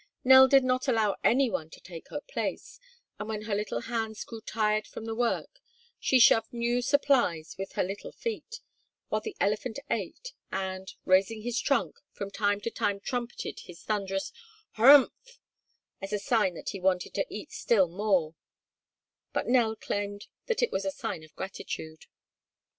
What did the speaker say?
Nell did not allow any one to take her place, and when her little hands grew tired from the work, she shoved new supplies with her little feet; while the elephant ate and, raising his trunk, from time to time trumpeted his thunderous "hruumf" as a sign that he wanted to eat still more, but Nell claimed that it was a sign of gratitude.